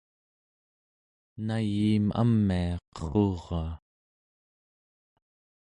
nayiim amia qerruraa